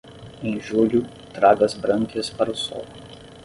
Em julho, traga as brânquias para o sol.